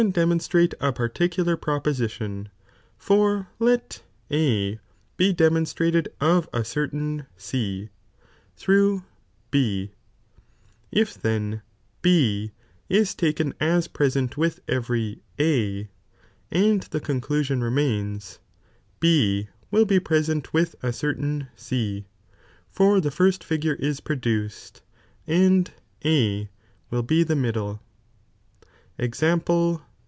a demonstrate a particular proposition, for let A be demonstrated of a certain C through B, if then B is taken aa present with every A, and the con clusion remaina, B will he present with a certain C, for the first fignre is produced, and A will be the middle.'